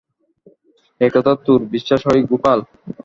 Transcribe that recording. একথা তোর বিশ্বাস হয় গোপাল?